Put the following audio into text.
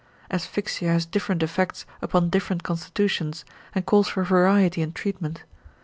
Asphyxia has different effects upon different constitutions, and calls for variety in treatment.